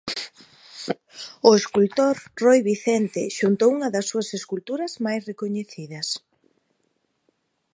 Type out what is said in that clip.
O escultor Roi Vicente xunto a unha das súas esculturas máis recoñecidas.